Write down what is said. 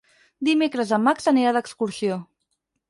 Dimecres en Max anirà d'excursió.